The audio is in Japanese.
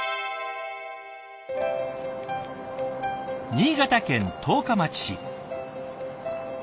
新潟県十日町市。